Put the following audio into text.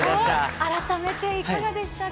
改めていかがでしたか？